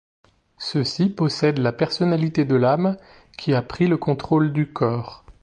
Ceux-ci possèdent la personnalité de l'âme qui a pris le contrôle du corps.